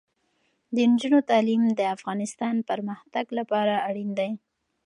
د نجونو تعلیم د افغانستان پرمختګ لپاره اړین دی.